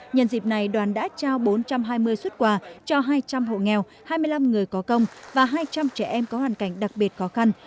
nhân dịp này đoàn đã trao bốn trăm hai mươi xuất quà cho hai trăm linh hộ nghèo hai mươi năm người có công và hai trăm linh trẻ em có hoàn cảnh đặc biệt khó khăn